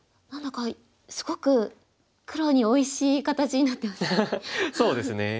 何だかすごく黒においしい形になってますね。